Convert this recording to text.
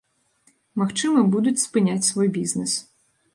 Магчыма, будуць спыняць свой бізнэс.